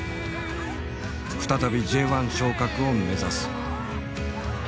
再びＪ１昇格を目指す。